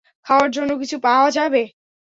খাওয়ার জন্য কিছু পাওয়া যাবে?